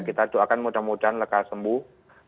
kita doakan mudah mudahan lekas sembuh